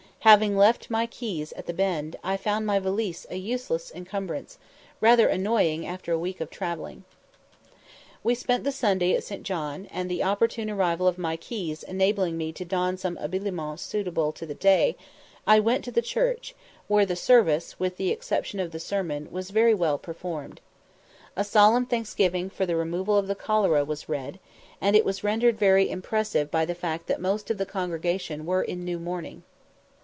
Having left my keys at the Bend, I found my valise a useless incumbrance, rather annoying after a week of travelling. We spent the Sunday at St. John, and, the opportune arrival of my keys enabling me to don some habiliments suited to the day, I went to the church, where the service, with the exception of the sermon, was very well performed. A solemn thanksgiving for the removal of the cholera was read, and was rendered very impressive by the fact that most of the congregation were in new mourning.